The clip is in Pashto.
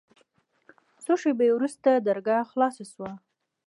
څو شېبې وروسته درګاه خلاصه سوه.